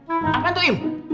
apaan tuh im